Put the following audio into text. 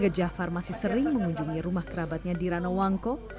jafar masih sering mengunjungi rumah kerabatnya di rano wangko